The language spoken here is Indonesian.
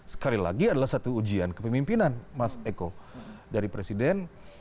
sekali lagi adalah satu ujian kepemimpinan mas eko dari presiden